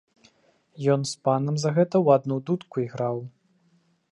Ён з панам за гэта ў адну дудку іграў.